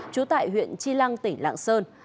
chú tại huyện chi lăng tỉnh lạng sơn